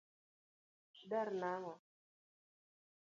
Udar nang'o?